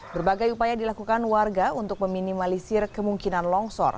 berbagai upaya dilakukan warga untuk meminimalisir kemungkinan longsor